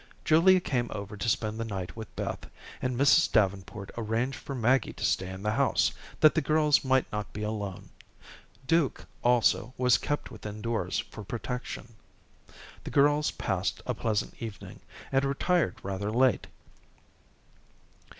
Julia came over to spend the night with Beth, and Mrs. Davenport arranged for Maggie to stay in the house, that the girls might not be alone. Duke, also, was kept within doors for protection. The girls passed a pleasant evening, and retired rather late.